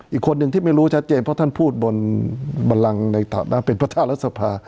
อีกคนหนึ่งที่ไม่รู้ชัดเจนว่าเมื่อเธอนั่นประชุมบุญบำรังเป็นพระธารสภา